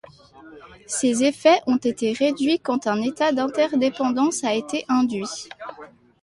Ces effets ont été réduits quand un état d'interdépendance a été induit.